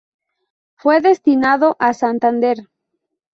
Fue destinado a Santander.